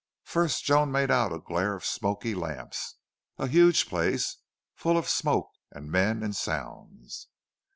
First Joan made out a glare of smoky lamps, a huge place full of smoke and men and sounds.